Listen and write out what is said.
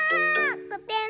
こてん。